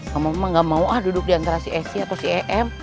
mama mama gak mau ah duduk diantara si esy atau si em